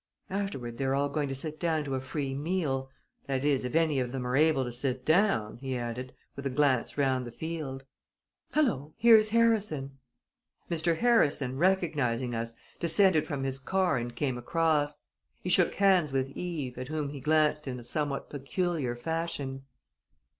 Afterward they are all going to sit down to a free meal that is, if any of them are able to sit down," he added, with a glance round the field. "Hello! Here's Harrison." Mr. Harrison, recognizing us, descended from his car and came across. He shook hands with Eve, at whom he glanced in a somewhat peculiar fashion.